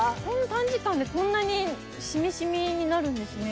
短時間でこんなに染み染みになるんですね。